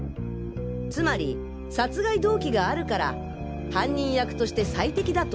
つまり殺害動機があるから犯人役として最適だと思った。